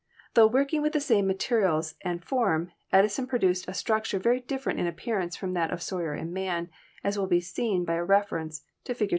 Tho working with the same materials and form, Edison pro duced a structure very different in appearance from that of Sawyer and Man, as will be seen by reference to Fig.